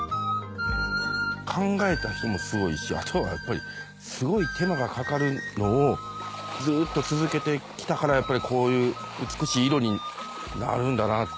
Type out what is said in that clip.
考えた人もすごいしあとはやっぱりすごい手間がかかるのをずっと続けてきたからこういう美しい色になるんだなっていうのを。